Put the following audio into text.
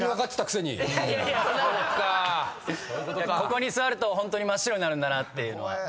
ここに座るとホントに真っ白になるんだなっていうのははい。